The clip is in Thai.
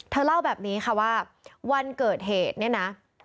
เล่าแบบนี้ค่ะว่าวันเกิดเหตุเนี่ยนะ